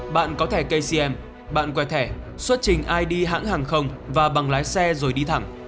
bạn có thẻ kcm bạn quay thẻ xuất trình id hãng hàng không và bằng lái xe rồi đi thẳng